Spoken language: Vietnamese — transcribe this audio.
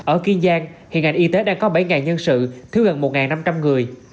ở kiên giang hiện ngành y tế đã có bảy nhân sự thiếu gần một năm trăm linh người